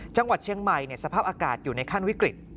จังหวัดเชียงใหม่สภาพอากาศอยู่ในขั้นวิกฤต